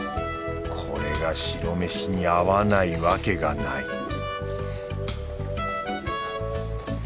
これが白飯に合わないわけがない